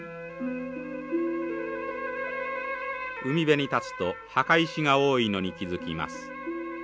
海辺に立つと墓石が多いのに気付きます。